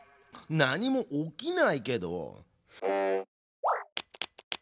何も起きないけど。